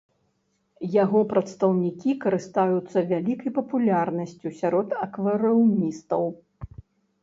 Яго прадстаўнікі карыстаюцца вялікай папулярнасцю сярод акварыумістаў.